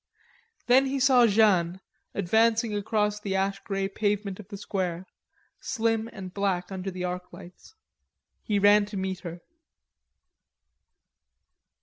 Then he saw Jeanne advancing across the ash grey pavement of the square, slim and black under the arc lights. He ran to meet her.